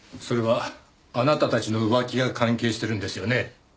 それはあなたたちの浮気が関係してるんですよね？